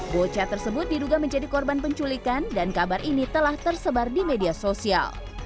bocah tersebut diduga menjadi korban penculikan dan kabar ini telah tersebar di media sosial